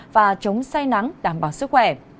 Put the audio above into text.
và chống say nắng đảm bảo sức khỏe